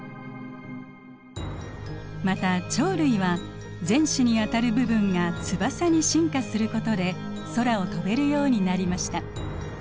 また鳥類は前肢にあたる部分が翼に進化することで空を飛べるようになりました。